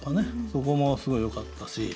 そこもすごいよかったし